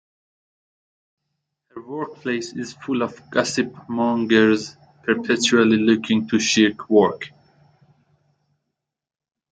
Her workplace is full of gossip-mongers perpetually looking to shirk work.